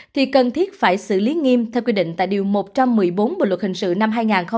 thì cần thiết phải xử lý nghiêm theo quy định tại điều một trăm một mươi bốn bộ luật hình sự năm hai nghìn một mươi năm